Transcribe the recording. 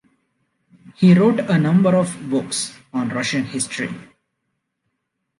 He wrote a number of books on Russian history.